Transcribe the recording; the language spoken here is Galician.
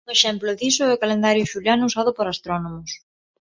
Un exemplo diso é o calendario xuliano usado por astrónomos.